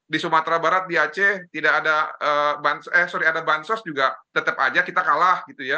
di sumatera barat di aceh tidak ada bansos eh sorry ada bansos juga tetap saja kita kalah